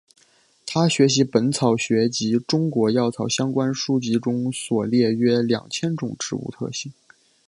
他学习本草学及中国药草相关书籍中所列约两千种植物特性。